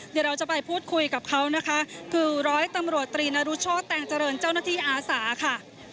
เดี๋ยวเราจะไปพูดคุยกับเขานะคะคือร้อยตำรวจตรีนรุโชธแตงเจริญเจ้าหน้าที่อาสาค่ะ